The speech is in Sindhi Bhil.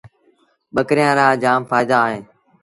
ٻڪريآݩ رآ جآم ڦآئيدآ اوهيݩ ۔